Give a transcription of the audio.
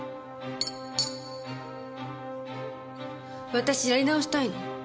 私やり直したいの。